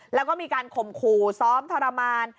แล้วก็มีการข่มขู่ซ้อมทรมาน